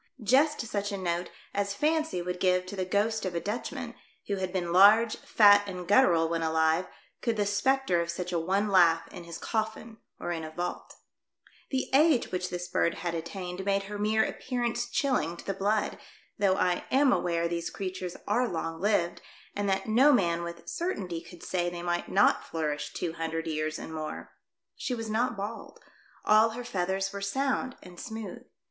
just such a note as fancy would give to the ghost of a Dutchman, who had been large, fat and guttural when alive, could the spectre of such a one laugh in his coffin or in a vault. The age which this bird had attained made her mere appearance chill ing to the blood, though I am aware these creatures are long lived and that no man with certainty could say they might not flourish two hundred years and more. She was not bald. All her feathers were sound and smooth.